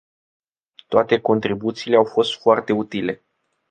Toate contribuțiile au fost foarte utile.